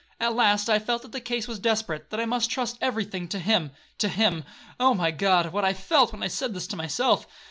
At last I felt that the case was desperate,—that I must trust every thing to him. To him! Oh, my God! what I felt when I said this to myself!